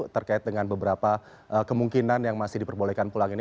terkait dengan beberapa kemungkinan yang masih diperbolehkan pulang ini